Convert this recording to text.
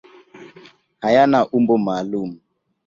Hayana umbo maalum.